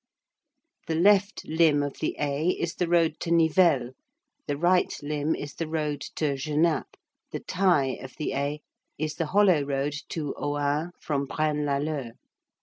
The left limb of the A is the road to Nivelles, the right limb is the road to Genappe, the tie of the A is the hollow road to Ohain from Braine l'Alleud.